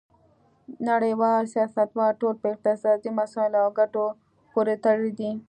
نړیوال سیاستونه ټول په اقتصادي مسایلو او ګټو پورې تړلي دي